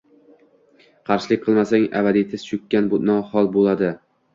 Qarshilik qilmasang abadiy tiz cho’kkan hol bo‘ladi.